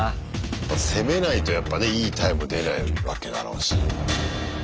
まあ攻めないとやっぱねいいタイム出ないわけだろうし。